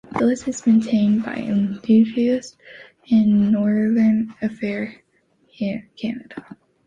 The list is maintained by Indigenous and Northern Affairs Canada.